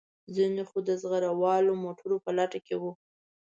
ځینې خو د زغره والو موټرو په لټه کې وو.